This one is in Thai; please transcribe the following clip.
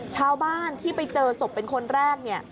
ชาวบ้านที่ไปเจอศพเป็นคนแรกเนี่ย